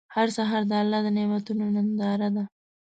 هر سهار د الله د نعمتونو ننداره ده.